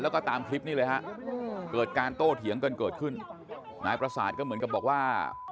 แล้วก็ตามคลิปนี้เลยฮะเกิดการโต้เถียงกันเกิดขึ้นนายประสาทก็เหมือนกับบอกว่า